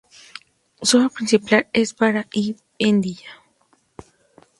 Su obra principal es Barahin-e-Ahmadiyya“.